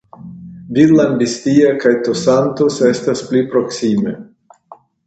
Villambistia kaj Tosantos estas pli proksime.